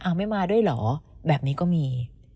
ไม่มาด้วยเหรอแบบนี้ก็มี